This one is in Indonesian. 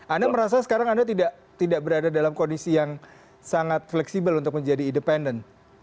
anda merasa sekarang anda tidak berada dalam kondisi yang sangat fleksibel untuk menjadi independen